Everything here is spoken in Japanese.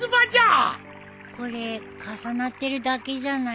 これ重なってるだけじゃない？